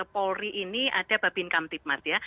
polri ini ada babin kam tipmas